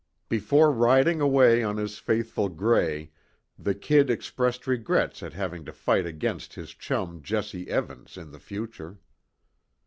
Before riding away on his faithful "Gray," the "Kid" expressed regrets at having to fight against his chum Jesse Evans, in the future.